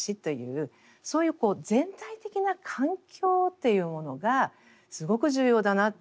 そういう全体的な環境というものがすごく重要だなと。